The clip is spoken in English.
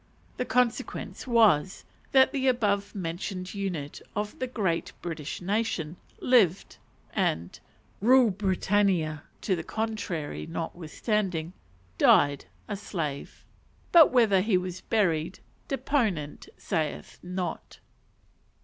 The consequence was, that the above mentioned unit of the great British nation lived, and ("Rule, Britannia" to the contrary notwithstanding) died a slave: but whether he was buried, deponent sayeth not.